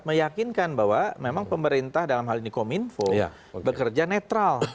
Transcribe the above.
saya yakin bahwa pemerintah dalam hal ini kominfo bekerja netral